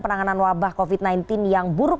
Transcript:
penanganan wabah covid sembilan belas yang buruk